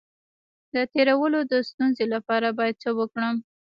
د تیرولو د ستونزې لپاره باید څه وکړم؟